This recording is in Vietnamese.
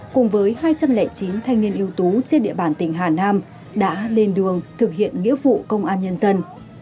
cùng với hai trăm linh chín thanh niên yếu tố trên địa bàn tỉnh hà nam đã lên đường thực hiện nghĩa vụ công an nhân dân